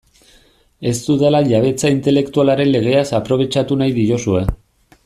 Ez dudala jabetza intelektualaren legeaz aprobetxatu nahi diozue.